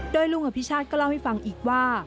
โดยลุงอภิชาติก็เล่าให้ฟังอีกว่า